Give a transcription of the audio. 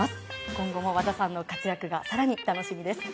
今後も和田さんの活躍が更に楽しみです。